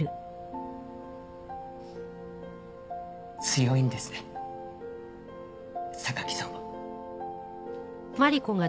強いんですね榊さんは。